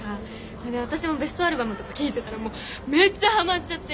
それで私もベストアルバムとか聴いてたらもうめっちゃハマっちゃって。